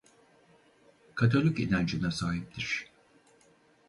Katolik inancına sahiptir.